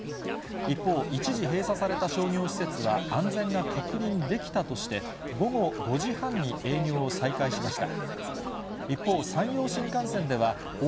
一方、一時閉鎖された商業施設は安全が確認できたとして、以上、きょうコレをお伝えしました。